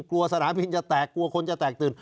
สนามบินจะแตกกลัวคนจะแตกตื่น